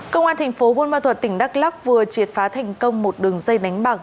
công an thành phố buôn ma thuật tỉnh đắk lắc vừa triệt phá thành công một đường dây đánh bạc